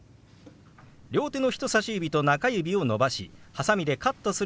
両手の人さし指と中指を伸ばしはさみでカットするように動かします。